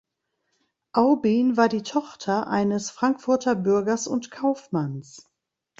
Aubin war die Tochter eines Frankfurter Bürgers und Kaufmanns.